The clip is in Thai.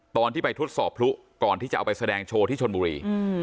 ตอนที่ไปทดสอบพลุก่อนที่จะเอาไปแสดงโชว์ที่ชนบุรี